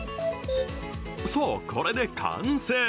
さあ、これで完成。